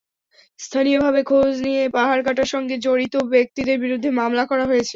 স্থানীয়ভাবে খোঁজ নিয়ে পাহাড় কাটার সঙ্গে জড়িত ব্যক্তিদের বিরুদ্ধে মামলা করা হয়েছে।